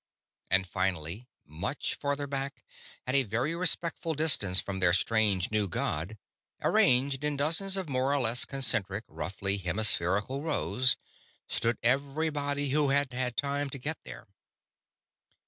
And finally, much farther back, at a very respectful distance from their strange new god, arranged in dozens of more or less concentric, roughly hemispherical rows, stood everybody who had had time to get there.